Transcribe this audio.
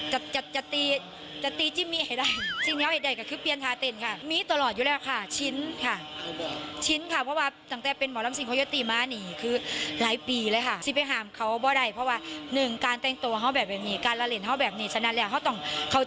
ก๊อปปี้กันมาหรือเปล่าไปฟังกันดูคะ